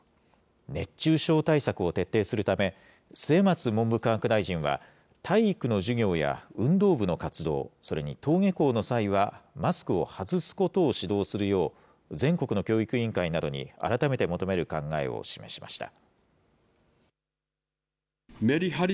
熱中症対策を徹底するため、末松文部科学大臣は、体育の授業や運動部の活動、それに登下校の際はマスクを外すことを指導するよう、全国の教育委員会などに改めて求める考えを示しました。